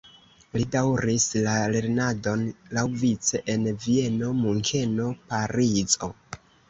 Li daŭris la lernadon laŭvice en Vieno, Munkeno, Parizo.